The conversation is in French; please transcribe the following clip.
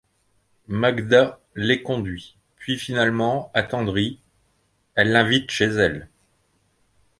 Magda l’éconduit, puis finalement attendrie, elle l’invite chez elle.